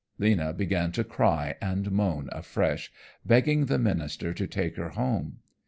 Lena began to cry and moan afresh, begging the minister to take her home.